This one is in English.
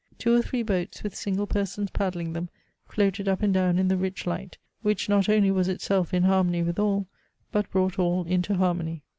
Two or three boats, with single persons paddling them, floated up and down in the rich light, which not only was itself in harmony with all, but brought all into harmony.